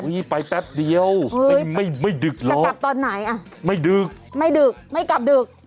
อุ๊ยไปแป๊บเดียวไม่ดึกหรอกไม่ดึกไม่กลับตอนไหน